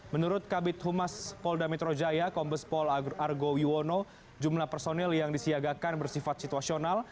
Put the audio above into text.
menurut kabit humas polda metro jaya kombes pol argo wiwono jumlah personil yang disiagakan bersifat situasional